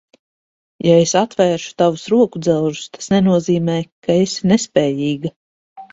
Ja es atvēršu tavus rokudzelžus, tas nenozīmē, ka esi nespējīga.